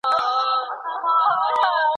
د حضرت عمر بن خطاب پوهه ډېره زیاته وه.